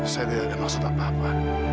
saya tidak ada maksud apa apa